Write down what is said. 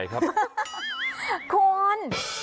คน